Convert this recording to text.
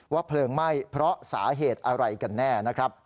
เพลิงไหม้เพราะสาเหตุอะไรกันแน่นะครับ